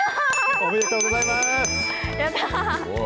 ありがとうございます。